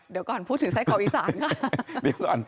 เดี๋ยวก่อนพูดถึงไส้กรอกอีสานค่ะ